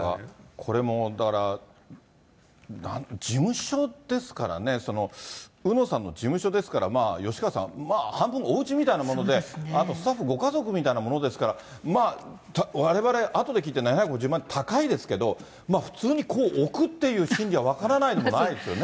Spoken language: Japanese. これもだから、事務所ですからね、うのさんの事務所ですから、吉川さん、半分おうちみたいなもので、あとスタッフもご家族みたいなものですから、まあわれわれ、あとで聞いて、７５０万円、高いですけど、普通に置くっていう心理は分からないでもないですよね。